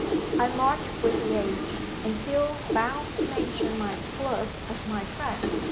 I march with the age, and feel bound to mention my clerk as my friend.